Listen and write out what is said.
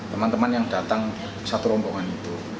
teman teman yang datang satu rombongan itu